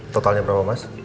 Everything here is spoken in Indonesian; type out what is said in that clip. totalnya berapa mas